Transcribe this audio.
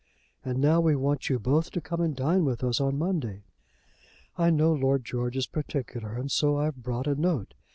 And now we want you both to come and dine with us on Monday. I know Lord George is particular, and so I've brought a note.